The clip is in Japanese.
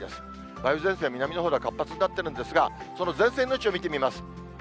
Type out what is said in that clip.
梅雨前線、南のほうで活発になってるんですが、その前線の位置を見てみます。